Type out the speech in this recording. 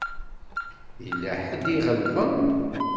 Yella ḥedd i iɣelḍen.